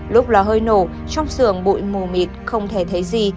lúc lò hơi nổ trong xưởng bụi mù mịt không thể thấy gì